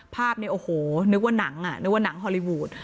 ภาพเนี่ยโอ้โหนึกว่าหนังอ่ะนึกว่าหนังฮอลลีวูด